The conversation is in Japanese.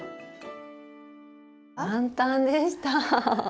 簡単でした！